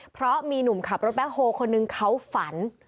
เพราะมีหนุ่มขับรถแบ็คโฮคนนึงเขาฝัน